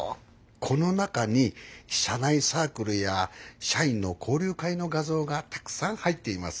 この中に社内サークルや社員の交流会の画像がたくさん入っています。